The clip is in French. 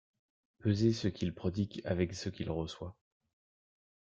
Pesez ce qu’il prodigue avec ce qu’il reçoit.